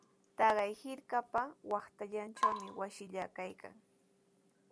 Taqay hirkapa waqtallantrawmi wasillaa kaykan.